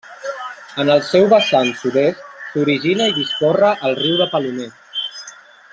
En el seu vessant sud-est s'origina i discorre el Riu de Palomer.